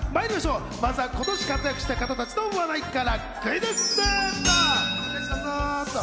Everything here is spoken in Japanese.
まずは今年活躍した方たちの話題からクイズッスと。